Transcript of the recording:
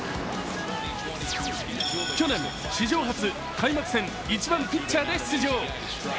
去年、史上初開幕戦１番・ピッチャーで出場。